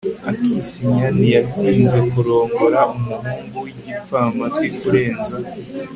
aksinya ntiyatinze kurongora umuhungu wigipfamatwi kurenza